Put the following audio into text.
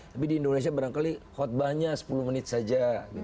tapi di indonesia barangkali khutbahnya sepuluh menit saja